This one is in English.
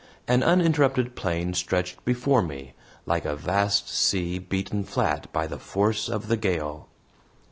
An uninterrupted plain stretched before me, like a vast sea beaten flat by the force of the gale.